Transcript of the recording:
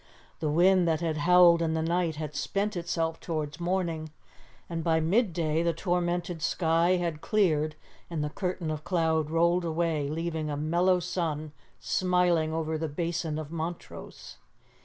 The wind that had howled in the night had spent itself towards morning, and by midday the tormented sky had cleared and the curtain of cloud rolled away, leaving a mellow sun smiling over the Basin of Montrose.